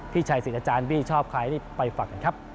พี่ชัยศิษย์อาจารย์พี่ชอบใครนี่ไปฝากกันครับ